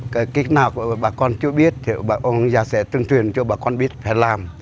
cái kích nào bà con chưa biết thì bà con sẽ tương truyền cho bà con biết phải làm